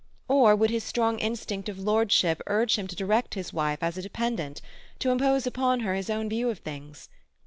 Or would his strong instinct of lordship urge him to direct his wife as a dependent, to impose upon her his own view of things?